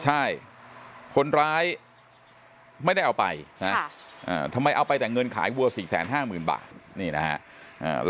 ใช่คนร้ายไม่ได้เอาไปนะทำไมเอาไปแต่เงินขายวัว๔๕๐๐๐บาทนี่นะฮะ